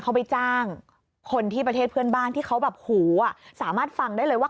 เขาไปจ้างคนที่ประเทศเพื่อนบ้านที่เขาแบบหูอ่ะสามารถฟังได้เลยว่า